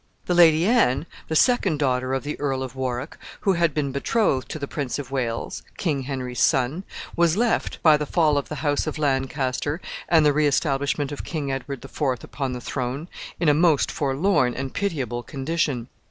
The Lady Anne, the second daughter of the Earl of Warwick, who had been betrothed to the Prince of Wales, King Henry's son, was left, by the fall of the house of Lancaster and the re establishment of King Edward the Fourth upon the throne, in a most forlorn and pitiable condition.